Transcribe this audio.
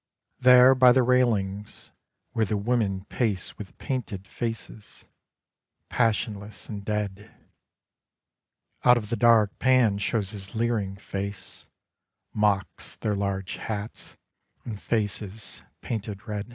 There by the railings, where the women pace With painted faces, passionless and dead, Out of the dark Pan shows his leering face, Mocks their large hats and faces painted red.